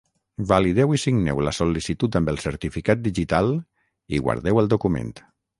Valideu i signeu la sol·licitud amb el certificat digital i guardeu el document.